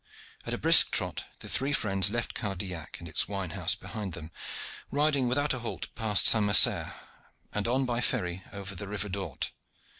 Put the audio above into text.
At a brisk trot the three friends left Cardillac and its wine house behind them, riding without a halt past St. Macaire, and on by ferry over the river Dorpt.